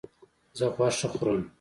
زه غوښه خورم